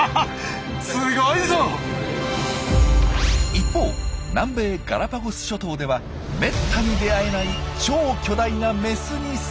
一方南米ガラパゴス諸島ではめったに出会えない超巨大なメスに遭遇。